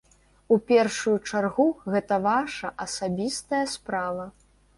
У першую чаргу, гэта ваша асабістая справа.